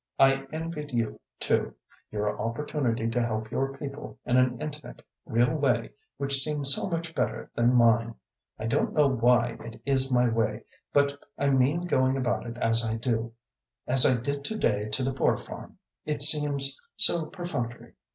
I envied you, too your opportunity to help your people in an intimate, real way which seemed so much better than mine. I don't know why it is my way, but I mean going about as I do, as I did to day to the Poor Farm. It seems so perfunctory.